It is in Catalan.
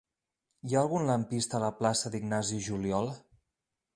Hi ha algun lampista a la plaça d'Ignasi Juliol?